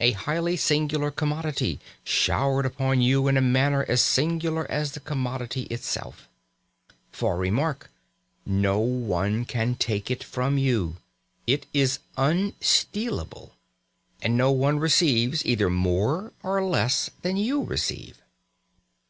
A highly singular commodity, showered upon you in a manner as singular as the commodity itself! For remark! No one can take it from you. It is unstealable. And no one receives either more or less than you receive.